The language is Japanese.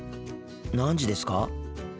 何時ですか？